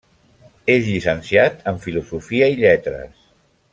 És llicenciat en Filosofia i Lletres.